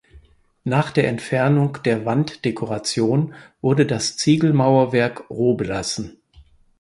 Nach der Entfernung der Wanddekoration wurde das Ziegelmauerwerk roh belassen.